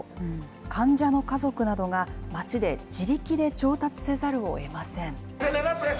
患者の家族などが町で自力で調達せざるをえません。